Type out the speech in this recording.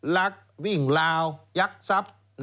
รักวิ่งราวยักษ์ทรัพย์